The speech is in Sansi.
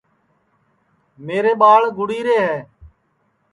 میرے ٻاݪ گُڑی رے ہے